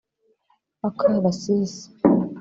Akarasisi